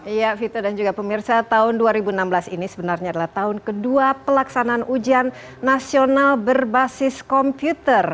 iya vito dan juga pemirsa tahun dua ribu enam belas ini sebenarnya adalah tahun kedua pelaksanaan ujian nasional berbasis komputer